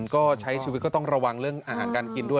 ก็ใช้ชีวิตก็ต้องระวังเรื่องอาหารการกินด้วย